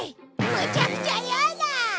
むちゃくちゃ言うな！